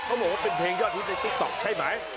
บอกว่าเป็นเพลงยอดฮิตในติ๊กต๊อกใช่ไหม